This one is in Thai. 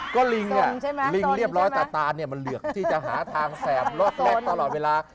ก็ลิงลิงเรียบร้อยแต่ตานเนี่ยมันเหลือกที่จะหาทางแสบล็อกแรกตลอดเวลา